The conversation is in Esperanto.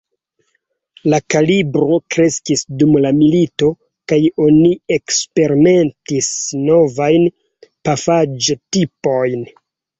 La kalibro kreskis dum la milito kaj oni eksperimentis novajn pafaĵ-tipojn.